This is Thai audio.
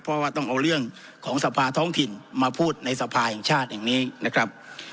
เพราะว่าต้องเอาเรื่องของสภาท้องถิ่นมาพูดในสภาแห่งชาติแห่งนี้นะครับ